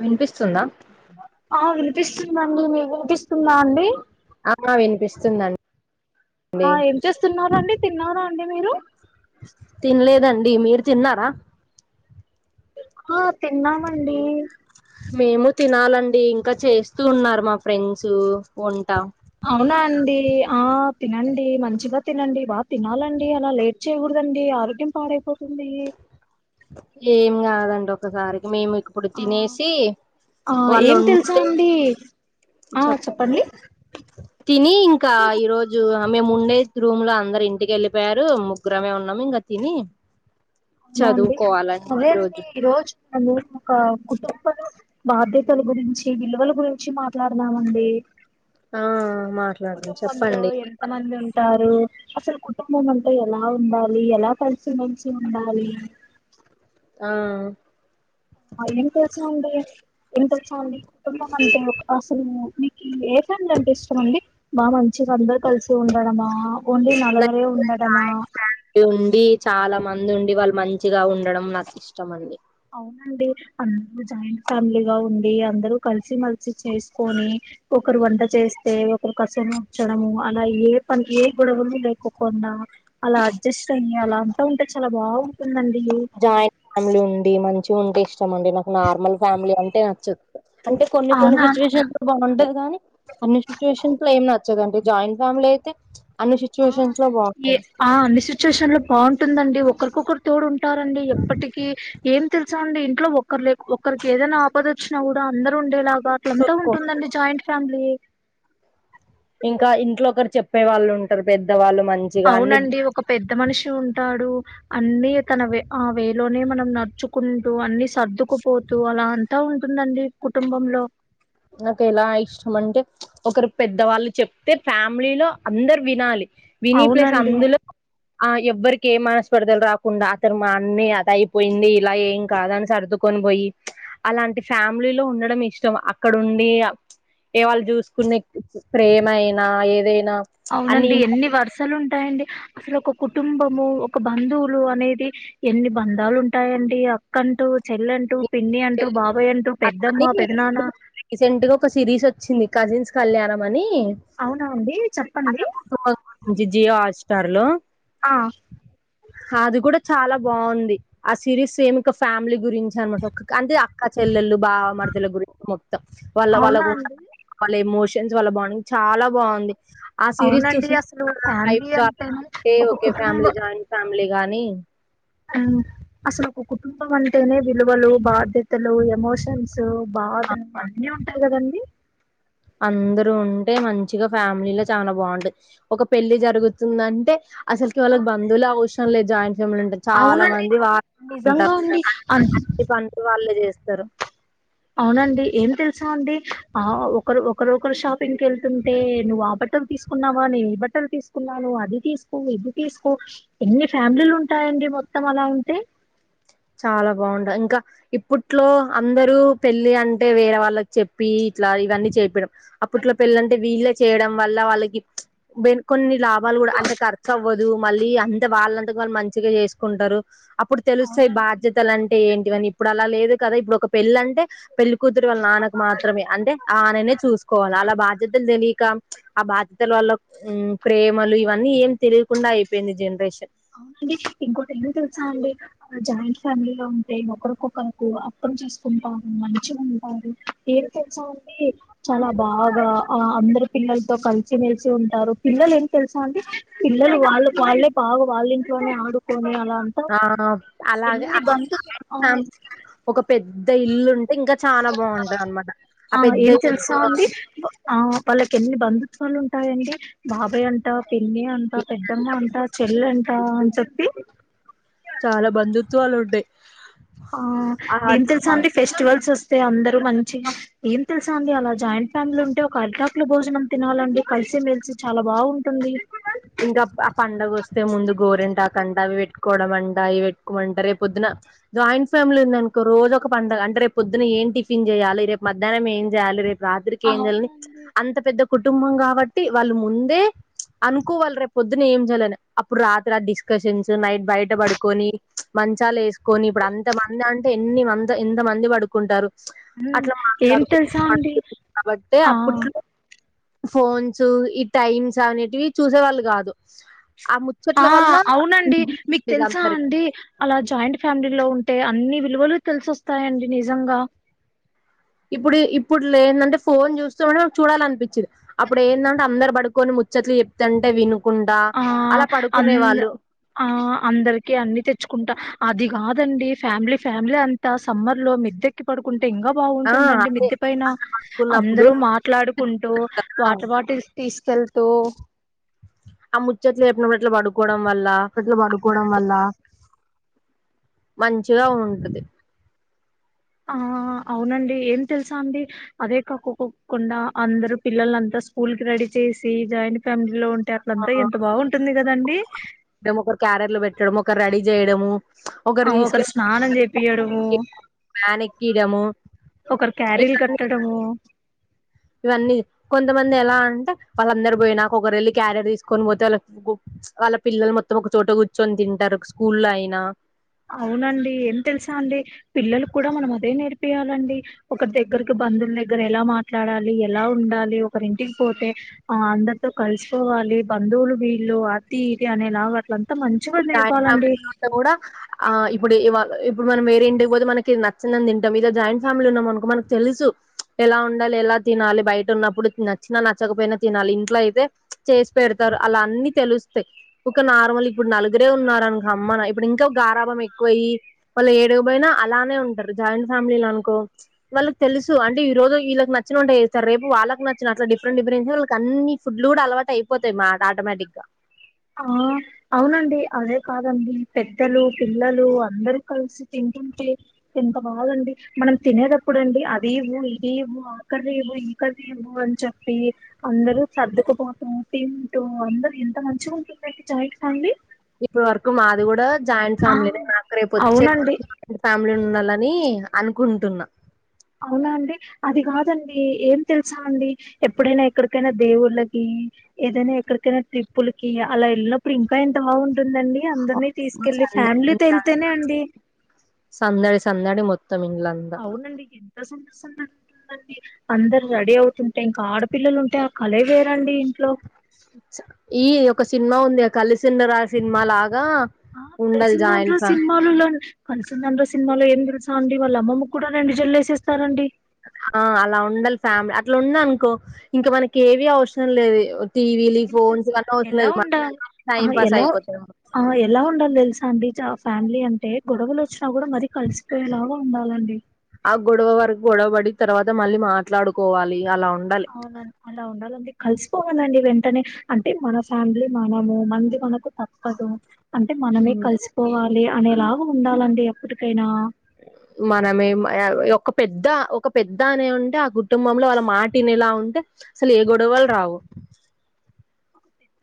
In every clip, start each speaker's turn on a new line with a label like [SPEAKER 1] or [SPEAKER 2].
[SPEAKER 1] వినిపిస్తుందా
[SPEAKER 2] ఆ వినిపిస్తుందండి మీ వినిపిస్తుందా అండి
[SPEAKER 1] ఆ ఆ వినిపిస్తుందండి
[SPEAKER 2] ఆ ఏం చేస్తున్నారండి తిన్నారా అండి మీరు
[SPEAKER 1] తిన్లేదండీ మీరు తిన్నారా
[SPEAKER 2] ఆ తిన్నామండి
[SPEAKER 1] మేము తినాలండి ఇంకా చేస్తూ ఉన్నారు మా ఫ్రెండ్స్ వంటా
[SPEAKER 2] అవునా అండి ఆ తినండి మంచిగా తినండి బాగా తినాలండి అలా లేట్ టు చేయకూడదండి ఆరోగ్యం పాడైపోతుంది
[SPEAKER 1] ఏం కాదండి ఒకసారికి మేము ఇప్పుడు
[SPEAKER 2] ఆ
[SPEAKER 1] తినేసి వాళ్ళు ఉ
[SPEAKER 2] చండి
[SPEAKER 1] చెప్పండి తిని ఇంకా ఈ రోజు మేము ఉండే రూమ్ లో అందరు ఇంటికి వెళ్ళిపోయారు ముగ్గురమే ఉన్నాము ఇంకా తిని
[SPEAKER 2] అవునా అండి అదే అండి ఈ రోజు ను ఒక కుటుంబంలో బాధ్యతల గురించి విలువల గురించి మాట్లాడదామండి
[SPEAKER 1] ఆ మా
[SPEAKER 2] కుటుంబంలో ఎంత మంది ఉంటారు అసలు కుటుంబం అంటా ఎలా ఉండాలి ఎలా కలిసి మేలిసి ఉండాలి
[SPEAKER 1] ఆ
[SPEAKER 2] అవీ ఏం తెలుసు అండి ఇంత చాలా కుటుంబం అంటే అసలు మీకు ఏ ఫ్యామిలీ అంటే ఇష్టం అండి బా మంచిగా అందరు కలిసి ఉండడమా ఓన్లీ
[SPEAKER 1] నాకు
[SPEAKER 2] నలుగురే ఉండడమా
[SPEAKER 1] జాయింట్ ఫ్యామిలీ ఉండి చాలా మంది ఉండి వాళ్ళు మంచిగా ఉండడం నాకు ఇష్టం అండి
[SPEAKER 2] అవునండి అందరు జాయింట్ ఫ్యామిలీగా ఉండి అందరు కలిసి మేలిసి చేసుకొని ఒకరు వంట చేస్తే ఒకరు కసు ఉంచడము అలా ఏ పని ఏ గొడవలు లేకకుండా అలా అడ్జస్ట్ అయ్యి అలా అంతా ఉంటే చాలా బాగుంటుందండి
[SPEAKER 1] జాయింట్ ఫ్యామిలీ ఉండి మంచి ఉంటే ఇష్టం అండి నాకు నార్మల్ ఫ్యామిలీ అంటే నచ్చదు అంటే కొన్ని కొన్ని
[SPEAKER 2] అవునా
[SPEAKER 1] సిచ్యువేషన్ బాగుంటది కాని అన్ని సిట్యుయేషన్స్ లో ఏం నచ్చదండి జాయింట్ ఫ్యామిలీ అయితే అన్ని
[SPEAKER 2] ఆ
[SPEAKER 1] సిచ్యువేషన్స్ లో
[SPEAKER 2] ఏ
[SPEAKER 1] బాగుంటది
[SPEAKER 2] అన్ని సిచ్యుయేషన్ లో బాగుంటుందండి ఒకరికొకరు తోడుం టారండి ఎప్పటికీ ఏం తెలుసా అండి ఇంట్లో ఒక్కరు లే ఒక్కరికి ఏదైనా ఆపద వచ్చినా కూడా అందరు ఉండేలాగ్ బా అట్లా అంతా ఉంటుందండి జాయింట్ ఫ్యామిలీ
[SPEAKER 1] ఇంకా ఇంట్లో ఒకరు చెప్పే వాళ్ళు ఉంటారు పెద్ద వాళ్ళు మం
[SPEAKER 2] అవునండి ఒక పెద్ద మనిషి ఉంటాడు అన్నీ తన వే ఆ వేలోనే మనం నడుచు కుంటూ అన్ని సర్దుకుపోతూ అలా అంతా ఉంటుందండి కుటుంబంలో
[SPEAKER 1] నాకేలా ఇష్టం అంటే ఒకరు పెద్దవాళ్ళు చెప్తే ఫ్యామిలీలో అందరు వినాలి విని ప్లేస్
[SPEAKER 2] అవునండి
[SPEAKER 1] అందులో ఆ ఎవ్వరికి ఏం మనస్పరిదలు రాకుండా అతను మా అన్ని అద అయిపోయింది ఇలా ఏం కాదని సర్దు కొనిబోయి అలాంటి ఫ్యామిలీ లో ఉండడం ఇష్టం అ అక్కడ ఉండి ఏ వాళ్ళు చూసుకునే ప్రేమ అయినా ఏదైనా అన్ని
[SPEAKER 2] అవునండి ఎన్ని వర్ సలు ఉంటాయండి అసలు ఒక కుటుంబము ఒక బంధువులు అనేది ఎన్ని బంధాలు ఉంటాయండి అక్కంటూ చెల్లంటూ పిన్ని అంటూ బాబాయ్ అంటూ పెద్దమ్మ పెద్దనాన్న
[SPEAKER 1] రీసెంట్ గా ఒక సిరీస్ వచ్చింది కజిన్స్ కళ్యాణం అని
[SPEAKER 2] అవునా అండి చెప్పండి
[SPEAKER 1] అన్లా కుటుంబం గురించి జియో హాట్ స్టార్ లో
[SPEAKER 2] ఆ
[SPEAKER 1] హా అది కూడా చాలా బాగుంది ఆ సిరీస్ సేమ్ ఒక ఫ్యామిలీ గురించి అనమాట అంటే కా చెల్లెళ్ళలు బావ మర్దల గురించి మొత్తం వాళ్ళ
[SPEAKER 2] అవునా
[SPEAKER 1] వాళ్ళకు ఉన్న
[SPEAKER 2] అండి
[SPEAKER 1] వాళ్ళ ఎమోషన్స్ వాళ్ళ బాండింగ్ చాలా బాగుంది ఆ సిరీస్
[SPEAKER 2] అవునండి
[SPEAKER 1] చూసి
[SPEAKER 2] అసలు
[SPEAKER 1] నా
[SPEAKER 2] ఫ్యామిలీ
[SPEAKER 1] లైఫ్
[SPEAKER 2] అంటేనే ఒక
[SPEAKER 1] ఒకే
[SPEAKER 2] కుటుంబ
[SPEAKER 1] ఫ్యామిలీ జాయింట్ ఫ్యామిలీ గాని
[SPEAKER 2] ఆ అసలు ఒక కుటుంబం అంటేనే విలువలు బాధ తలు ఎమోషన్స్
[SPEAKER 1] అ-
[SPEAKER 2] బాధలు అన్నీ ఉంటాయి కదండి
[SPEAKER 1] అందరు ఉంటే మంచిగా ఫ్యామిలీల చాలా బాగుంటుంది ఒక పెళ్లి జరుగుతుందంటే అసలుకి వాళ్ళకి బంధువులే అవసరం లేదు జాయింట్ ఫ్యామిలీ అంటే చాలా
[SPEAKER 2] అవునండి
[SPEAKER 1] మంది వాళ్ళే
[SPEAKER 2] నిజంగా
[SPEAKER 1] వాళ్ళుంటారు
[SPEAKER 2] అండి
[SPEAKER 1] అన్ని పనులు వాళ్ళే చేస్తారు
[SPEAKER 2] అవునండి ఏం తెలుసా అండి ఆ ఒకరు ఒకరోకరు షాపింగ్కి వెళ్తుంటే నువ్వు ఆ బట్ బట్టలు తీసుకున్నావా నేను ఈ బట్టలు తీసుకున్నాను అది తీసుకో ఇది తీసుకో ఎన్ని ఫ్యామిలీలు ఉంటాయండి మొత్తం అలా ఉంటే
[SPEAKER 1] చాలా బాగుంటది ఇంకా ఇప్పట్లో అందరూ పెళ్ళి అంటే వేరే వాళ్ళకి చెప్పి ఇట్లా ఇవన్నీ చెపిడం అప్పట్లో పెళ్లంటే వీళ్ళే చేయడం వల్ల వాళ్ళకి బే కొన్ని లాభాలు కూడా అంటే ఖర్చు అవ్వదు మళ్ళీ అంత వాళ్ళంత వాళ్ళు మంచిగా చేసుకుంటారు అప్పుడు సో ఈ
[SPEAKER 2] అవునండి
[SPEAKER 1] బాధ్యతలు అంటే ఏంటివని ఇప్పుడు అలా లేదు కదా ఇప్పుడు ఒక పెళ్ళి అంటే పెళ్లికుతురు వాళ్ల నానక్ మాత్రమే అంటే ఆననే చూసుకోవాలి అలా బాధ్యతలు తెలియక ఆ బాధ్యతల వల్ల ఉ ప్రేమలు ఇవన్నీ ఏం తెలియకుండా అయిపోయింది జనరేషన్
[SPEAKER 2] అవునండి ఇంకోటి ఏమి తెలుసానండి జాయింట్ ఫ్యామిలీలో ఉంటే ఒకరికొకరుకు అర్థం చేసుకుంటారు మంచిగా ఉంటారు ఏం తెచ్చామండి చాలా బాగా ఆ అందరి పిల్లలతో కలిచిమెలిచి ఉంటారు పిల్లలు ఏమి తెలుసా అండి పిల్లలు వాళ్ళు వాళ్ళే బాగా వాళ్ళ ఇంట్లోనే ఆడుకొని అలా అంతా
[SPEAKER 1] ఆ అలాగే
[SPEAKER 2] ఎన్ని బంధు ఆ
[SPEAKER 1] ఒక పెద్ద ఇల్లు ఉంటే ఇంకా చానా బాగుంటది అనమాట ఆ పెద్ద
[SPEAKER 2] ఏం తెలుసా
[SPEAKER 1] ఆ
[SPEAKER 2] అండి ఆ వాళ్ళకి ఎన్ని బంధుత్వాలు ఉంటాయండి బాబాయ్ అం ట పిన్ని అంట పెద్దమ్మ అంట చెల్లి అంట అని చెప్పి
[SPEAKER 1] చాలా బంధుత్వాలు ఉంటాయి
[SPEAKER 2] ఆ ఏం తెలుసా అండి ఫెస్టివల్స్ వస్తే అందరు మంచిగా ఏం తెలుసు అండి అలా జాయింట్ ఫ్యామిలీ ఉంటే ఒక అరిటాకులో భోజనం తినాలండి కలిసి మెలిసి చాలా బాగుంటుంది
[SPEAKER 1] ఇంకా ఆ పండగ వస్తే ముందు గోరెంటాకు అంట అవి పెట్టుకోవడం అంట ఇవి పెట్టుకోమంట రేపు పొద్దున జాయింట్ ఫ్యామిలీ ఉంది అనుకో రోజు ఒక పండగ అంటే రేపు పొద్దున ఏమి టిఫిన్ చేయాలి రేపు మధ్యాహ్నం ఏం చేయాలి రేపు రాత్రి కి ఏం చేయాలి
[SPEAKER 2] అవునండి
[SPEAKER 1] అంత పెద్ద కుటుంబం కాబట్టి వాళ్ళు ముందే కు వాళ్ళ రేపు పొద్దున ఏం చేయాలని అప్పుడు రాత్ర రాత్రికి డిస్కషన్స్ నైట్ బయట పడుకొని మంచాలు వేసుకొని ఇప్పుడు అంత మంది అంటే ఎన్ని మంచ ఎంత మంది పడుకు కుంటారు
[SPEAKER 2] ఉమ్
[SPEAKER 1] అట్లా
[SPEAKER 2] ఏం
[SPEAKER 1] మాట్లాడుకు
[SPEAKER 2] తెలుసా అండి
[SPEAKER 1] కాబట్టి
[SPEAKER 2] ఆ
[SPEAKER 1] అప్పట్లో ఫోన్స్ ఈ టైమ్స్ అనేటివి చూసే వాళ్ళు కాదు ఆ ము
[SPEAKER 2] ఆ అవునండి మీకు తెలుసా
[SPEAKER 1] అందరికి
[SPEAKER 2] అండి అలా జాయింట్ ఫ్యామిలీ లో ఉంటే అన్ని విలువలు తెలిసొస్తాయండి నిజంగా
[SPEAKER 1] ఇప్పుడు ఇప్పుడు లేంటంటే ఫోన్ చూస్తూ ఉంటే చూడాల అనిపించది అప్పుడు ఎందంటే అందరు పడుకొని ముచ్చట్లు చెప్తంటే వినుకుంటా
[SPEAKER 2] ఆ
[SPEAKER 1] అలా పడుకునే
[SPEAKER 2] అంద
[SPEAKER 1] వాళ్ళు
[SPEAKER 2] ఆ అందరికి అన్ని తెచ్చుకుంటా అది కాదండి ఫ్యామిలీ ఫ్యామిలీ అంతా సమ్మర్ లో మెద్ద ఎక్కి పడుకుంటే ఇంకా
[SPEAKER 1] ఆ
[SPEAKER 2] బాగుంటుంది అండి
[SPEAKER 1] అదే
[SPEAKER 2] మిద్దె పైన
[SPEAKER 1] అలా పడుకున్నప్పుడు
[SPEAKER 2] అందరు మాట్లాడుకుంటూ వాటర్ బాటిల్స్ తీసుకెళ్తూ
[SPEAKER 1] ఆ ముచ్చట్లు చెప్పి [unintelligible] పడుకోవడం వల్ల
[SPEAKER 2] ట్లు పడుకోవడం వల్ల
[SPEAKER 1] మంచిగా ఉంటది
[SPEAKER 2] ఆ అవునండి ఏం తెలుసా అండి అదే కాకోకోకుండా అందరు పిల్లల అంతా స్కూల్ కి రెడీ చేసి జాయింట్ ఫ్యామిలీ లో ఉంటారు
[SPEAKER 1] ఆ
[SPEAKER 2] అంతా ఎంత బాగుంటుంది కదండి
[SPEAKER 1] ఒకరు క్యారీలు లో పెట్టడం ఒకరు రెడీ చేయడము
[SPEAKER 2] ఆ ఒకరు స్నానం చెపియాడమూ
[SPEAKER 1] వ్యాన్ ఎక్కియడము ఏ కన్ని
[SPEAKER 2] డము
[SPEAKER 1] ఇవన్నీ కొంతమంది ఎలా అంటే వాళ్ళందరు పోయి నాక ఒకరు వెళ్ళి క్యారియర్ తీసుకొని పోతే వాళ్ళకి వాళ్ళ పిల్లలు మొత్తం ఒక చోట కూర్చొని తింటారు స్కూల్ల్లో అయినా
[SPEAKER 2] అవునండి ఏం తెలుసా అండి పిల్లలు కూడా మనం అదే నేర్పియాలండి ఒకరి దగ్గరకి బంధువుల దగ్గర ఎలా మాట్లాడాలి ఎలా ఉండాలి ఒకరి ఇంటికి పోతే ఆ అందరితో కలిసికోవాలి బంధువులు వీళ్ళు అతి ఇతి అనేలాగా అట్ల అంత మంచిగా నేర్పాలండి
[SPEAKER 1] తే కూడా ఆ ఇప్పుడు ఇవాళ ఇప్పుడు మనం వేరే ఇంటికి పోతే మనకి నచ్చంది తింటాం ఇదో జాయింట్ ఫ్యామిలీ ఉన్నాం అనుకో మనకు తెలుసు ఎలా ఉండాలి ఎలా తినాలి బయట ఉన్నప్పుడు నచ్చినా నచ్చకపోయినా తినాలి ఇంట్లో అయితే చేసి పెడతారు అలా అన్ని తెలుస్తాయి ఒక నార్మల్ ఇప్పుడు నలుగురే ఉన్నారు అనుకో అమ్మన ఇప్పుడు ఇంకా గారాభం ఎక్కువ అయ్యి వాళ్ళు ఏడిగా పోయినా అలానే ఉంటారు జాయింట్ ఫ్యామిలీలు అనుకో వాళ్ళకు తెలుసు అంటే ఈరోజు వీళ్ళకి నచ్చిన వంట చేస్తారు రేపు వాళ్లకు నచ్చిన అట్లా డిఫరెంట్ డిఫరెంట్ వాళ్ళకి అన్ని ఫుడ్లు కూడా అలవాటు అయిపోతాయి మాట ఆటోమేటిక్ గా
[SPEAKER 2] ఆ అవునండి అదే కాదండి పెద్దలు పిల్లలు అందరు కలిసి తింటుంటే ఎంత బాగుంది మనం తినేటప్పుడు అండి అది ఇవ్వు ఇది ఇవ్వు అక్కడవి ఏవో ఇక్కడవి ఏవో అని చెప్పి అందరూ సర్దుకుపోటం తింటూ అందరు ఎంత మంచిగా ఉంటుందండి జాయింట్ ఫ్యామిలీ
[SPEAKER 1] ఇప్పటి వరకు మాది కూడా జాయింట్
[SPEAKER 2] ఆ
[SPEAKER 1] ఫ్యామిలీ నే నాకు రేపు వచ్చే
[SPEAKER 2] అవునండి
[SPEAKER 1] ఫ్యామిలీ ఉండాలని అనుకుంటున్నా
[SPEAKER 2] అవునా అండి అది కాదండి ఏం తెలుసా అండి ఎప్పుడైనా ఎక్కడికైనా దేవుళ్ళకి ఏదైనా ఎక్కడికైనా ట్రిప్పులకి అలా వెళ్ళినప్పుడు ఇంకా ఎంత బాగుంటుందండి అందరినీ తీసుకెళ్ళి ఫ్యామిలీ
[SPEAKER 1] సందడి
[SPEAKER 2] తో వెళ్తేనే అండి
[SPEAKER 1] సందడి సందడి మొత్తం ఇల్లంతా
[SPEAKER 2] అవునండి ఎంత సంతోషంగా ఉంటూ [inaudible] అందరు రెడీ అవుతుంటే ఇంకా ఆడపిల్లలు ఉంటే ఆ కళే వేరండి ఇంట్లో
[SPEAKER 1] ఈ ఒక సినిమా ఉంది ఆ కలిసుందాం సినిమా లాగా
[SPEAKER 2] ఆ
[SPEAKER 1] ఉండాలి
[SPEAKER 2] కలిసుందాం
[SPEAKER 1] జాయింట్ ఫ్యా
[SPEAKER 2] సినిమాలలో లాగా కలిసుందాం రా సినిమాలో ఏం తెలుసా అండి వాళ్ళ అమ్మమ్మ కూడా రెండు జడలు వేసేస్తారండి
[SPEAKER 1] ఆ అలా ఉండాలి ఫ్యామిలీ అట్లా ఉంద అనుకో ఇంకా మనకి ఏవి అవసరం లేదు టీవీలి ఈ
[SPEAKER 2] ఏం
[SPEAKER 1] ఫోన్స్
[SPEAKER 2] తెలుసా
[SPEAKER 1] ఇవన్నీ అవసరం
[SPEAKER 2] ఎలా
[SPEAKER 1] లేదు
[SPEAKER 2] ఉండాలి
[SPEAKER 1] మనకి
[SPEAKER 2] ఆ
[SPEAKER 1] టైం పాస్
[SPEAKER 2] ఎలా
[SPEAKER 1] అయిపోతది మనకి
[SPEAKER 2] ఆ ఎలా ఉండాలో తెలుసా అండి ఫ్యామిలీ అంటే గొడవలు వచ్చినా కూడా మరీ కలిసిపోయేలాగా ఉండాలండి
[SPEAKER 1] ఆ గొడవ వరకు గొడవ పడి తర్వాత మళ్ళీ మాట్లాడుకోవాలి అలా ఉండాలి
[SPEAKER 2] అవున [unintelligible] ఉండాల కలిసిపోవాలండి వెంటనే అంటే మన ఫ్యామిలీ మనము మంది మనకు తప్పదు అంటే మనమే
[SPEAKER 1] ఉమ్
[SPEAKER 2] కలిసికోవాలి అనేలాగా ఉండాలండి ఎప్పటికైనా
[SPEAKER 1] మనమే ఒక పెద్ద ఒక పెద్ద అనే ఉంటే ఆ కుటుంబంలో వాళ్ళ మాట వినేలా ఉంటే అసలు ఏ గొడవలు రావు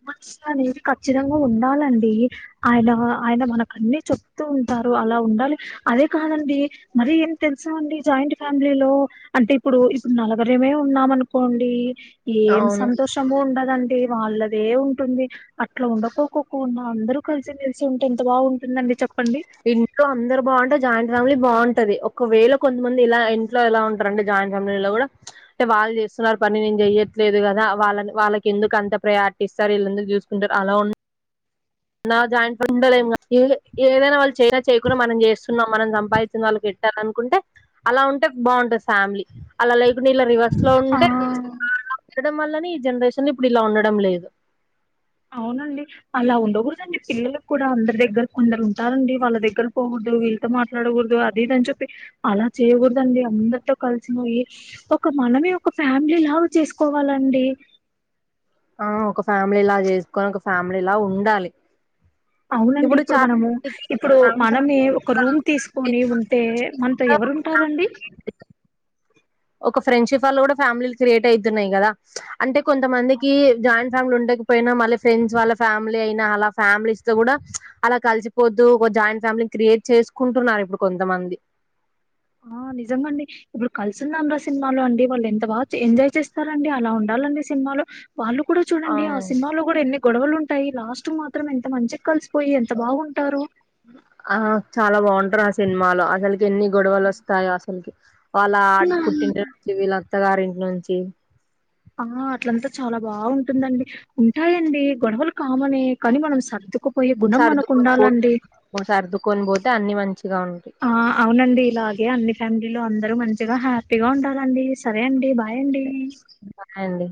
[SPEAKER 2] మస్ అనేది ఖచ్చితంగా ఉండాలండి [unintelligible] ఆయన ఆయన మనకన్నీ చెప్తూ ఉంటారు అలా ఉండాలి అదే కాదండి మరి ఏం తెలుసా అండి జాయింట్ ఫ్యామిలీలో అంటే ఇప్పుడు ఇప్పుడు నలుగురమే ఉన్నాం అనుకోండి ఏం
[SPEAKER 1] అవును
[SPEAKER 2] సంతోషము ఉండదండి వాళ్ళదే ఉంటుంది అట్లా ఉండకోక కుండా అందరూ కలిసి మెలిసి ఉంటే ఎంత బాగుంటుందండి చెప్పండి
[SPEAKER 1] ఇంట్లో అందరు బాగుంటే జాయింట్ ఫ్యామిలీ బాగుంటది ఒకవేళ కొంతమంది ఇలా ఇంట్లో ఇలా ఉంట రెండు జాయింట్ ఫ్యామిలీ లో కూడా అంటే వాళ్ళు చేస్తున్నారు పని నేను చెయట్లేదు కదా వాళ్ళని వాళ్ళకి ఎందుకు అంత ప్రయారిటీ ఇస్తారు వీళ్లని చూసుకుంటారు అలా ఉ నా జాయింట్ [unintelligible] ఏదైనా వాళ్ళు చేయ చేయకుండా మనం చేస్తున్నాం మనం సంపాదించిన వాళ్ళ అనుకుంటే అలా ఉంటే బాగుంటది ఫ్యామిలీ అలా లేకుండా ఇలా రివర్స్ అట్లా
[SPEAKER 2] ఆ
[SPEAKER 1] ఉంటే అలా ఉండడం వల్లనే ఈ జనరేషన్ ఇప్పుడు ఇలా ఉండడం లేదు
[SPEAKER 2] అవునండి అలా ఉండకూడదండి పిల్లలు కూడా అందరి దగ్గర కొందరు ఉంటారండి వాళ్ళ దగ్గర పోకూడదు వీళ్ళ ఎంత మాట్లాడకూడదు అది ఇదిని చెప్పి అలా చేయ్యకూడద అండి అందరితో కలిసి పోయి ఒక మనమే ఒక ఫ్యామిలీ లా చేసుకోవాలండి
[SPEAKER 1] ఆ ఒక ఫ్యామిలీ లా చేసుకొని ఒక ఫ్యామిలీ లా ఉండాలి
[SPEAKER 2] అవునండి ఇప్పుడు మనము ఇప్పుడు
[SPEAKER 1] మందికి
[SPEAKER 2] మనమే ఒక రూమ్ తీసుకొని ఉంటే మనతో ఎవరు టారండి.
[SPEAKER 1] ఒక ఫ్రెండ్షిప్ వల్ల కూడా ఫ్యామిలీలు క్రియేట్ అయితున్నాయి కదా అంటే కొంతమందికి జాయింట్. ఫ్యామిలీ ఉండకపోయినా మళ్ళీ ఫ్రెండ్స్ వాళ్ళ ఫ్యామిలీ అయినా అలా ఫ్యామిలీస్ తో కూడా అలా కలిసి. పొద్దుగా ల జాయింట్ ఫ్యామిలీ క్రియేట్ చేసుకుంటున్నారు ఇప్పుడు కొంతమంది.
[SPEAKER 2] ఆ నిజంగా అండి ష. ఇప్పుడు కలిసుందాం రా సినిమాలో అండి వల్లెంత బాగా చే ఎంజాయ్ చేస్తారు అలా ఉండాలి అండి సినిమాలు. వాళ్లు కూడా చూడండి ఆ సినిమాలో కూడా ఎన్ని. గొడవలు ఉంటాయి లాస్ట్ మాత్రం ఎంత మంచి కలిసి పోయి ఎంత బాగుంటారు.
[SPEAKER 1] అ చాలా బావుంటరు ఆ సినిమాలో అసలుకి ఎన్ని గొడవలు వస్తాయి అసలుకి. వాళ్ళ ఆటు పుట్టింటి నుంచి వీళ్ళ అత్త గారింటి నుంచి.
[SPEAKER 2] ఆ అట్లంతా చాలా బాగుంటుందండి అండి. ఉంటాయండి గొడవలు కామనే కాని మనం సర్దుకు.
[SPEAKER 1] సర్దుకొని పో సర్దుకొని బోతే అన్ని మంచిగా ఉంటాయి.
[SPEAKER 2] ఆ అవునండి ఇలాగే అన్ని ఫ్యామిలీ లో అందరూ మంచిగా హ్యాపీగా ఉండాలండి. సరే అండి బాయ్ అండి.
[SPEAKER 1] బాయ్ అండి.